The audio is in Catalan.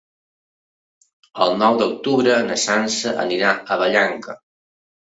El nou d'octubre na Sança anirà a Vallanca.